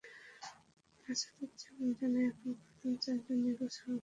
মাসুদুজ্জামান জানান, এখন পর্যন্ত চারজন নিখোঁজ হওয়ার খবর নিশ্চিত হওয়া গেছে।